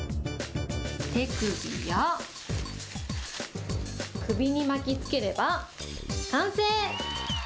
手首や首に巻きつければ完成。